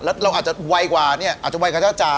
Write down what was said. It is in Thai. แล้วเราอาจจะไวกว่าเนี่ยอาจจะไวกว่าเจ้าจ่า